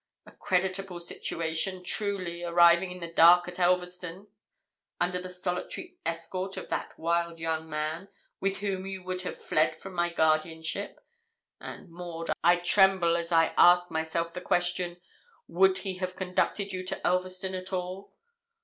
A creditable situation truly arriving in the dark at Elverston, under the solitary escort of that wild young man, with whom you would have fled from my guardianship; and, Maud, I tremble as I ask myself the question, would he have conducted you to Elverston at all?